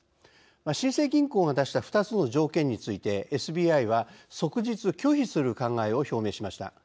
新生銀行が出した２つの条件についてＳＢＩは即日拒否する考えを表明しました。